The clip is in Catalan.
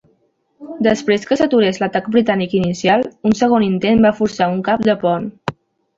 Després que s'aturés l'atac britànic inicial, un segon intent va forçar un cap de pont.